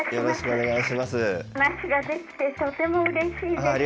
お話ができてとてもうれしいです。